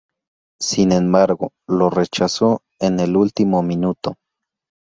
Sin embargo, lo rechazó en el último minuto.